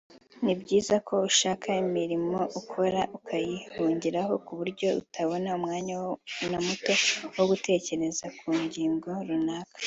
ni byiza ko ushaka imirimo ukora ukayihugiraho ku buryo utabona umwanya na muto wo gutekereza ku ngingo runaka